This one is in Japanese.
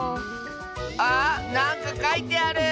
あなんかかいてある！